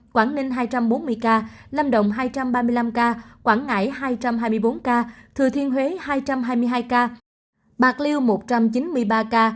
quảng ninh hai trăm bốn mươi ca lâm đồng hai trăm ba mươi năm ca quảng ngãi hai trăm hai mươi bốn ca thừa thiên huế hai trăm hai mươi hai ca bạc liêu một trăm chín mươi ba ca